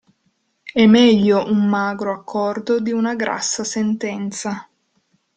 È meglio un magro accordo di una grassa sentenza.